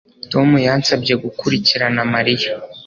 Tom yansabye gukurikirana Mariya